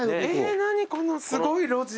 何このすごい路地。